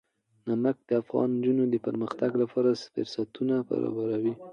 نمک د افغان نجونو د پرمختګ لپاره فرصتونه برابروي.